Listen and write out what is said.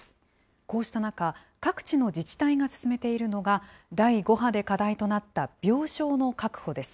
こうした中、各地の自治体が進めているのが、第５波で課題となった病床の確保です。